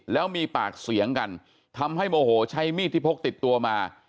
แล้วมีปากเสียงกันทำให้โมโหใช้มีดที่พกติดตัวมา